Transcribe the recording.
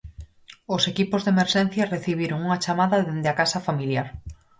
Os equipos de emerxencias recibiron unha chamada dende a casa familiar.